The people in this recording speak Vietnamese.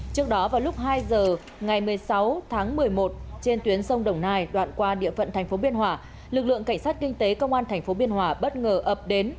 trước đó vào lúc hai giờ ngày một mươi sáu tháng một mươi một trên tuyến sông đồng nai đoạn qua địa phận thành phố biên hòa lực lượng cảnh sát kinh tế công an tp biên hòa bất ngờ ập đến